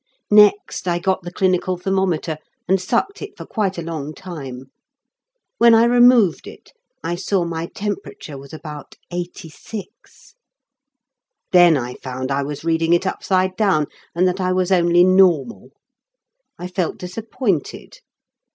Next I got the clinical thermometer and sucked it for quite a long time. When I removed it I saw my temperature was about 86. Then I found I was reading it upside down and that I was only normal. I felt disappointed.